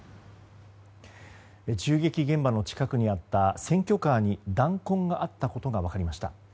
銃撃現場の近くにあった選挙カーに弾痕があったことが分かりました。